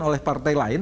oleh partai lain